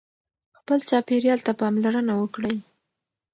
خپل چاپېریال ته پاملرنه وکړئ.